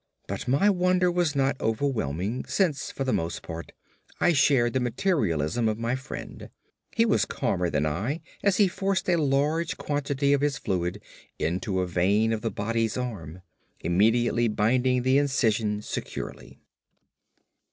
But my wonder was not overwhelming, since for the most part I shared the materialism of my friend. He was calmer than I as he forced a large quantity of his fluid into a vein of the body's arm, immediately binding the incision securely.